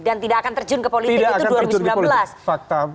dan tidak akan terjun ke politik itu dua ribu sembilan belas